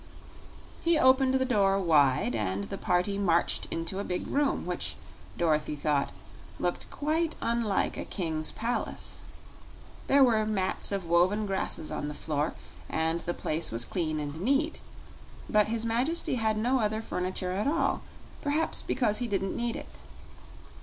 He opened the door wide, and the party marched into a big room, which, Dorothy thought, looked quite unlike a king's palace. There were mats of woven grasses on the floor and the place was clean and neat; but his Majesty had no other furniture at all perhaps because he didn't need it.